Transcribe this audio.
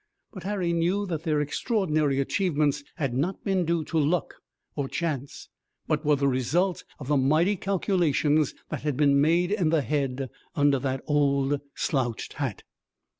But Harry knew that their extraordinary achievements had not been due to luck or chance, but were the result of the mighty calculations that had been made in the head under the old slouched hat.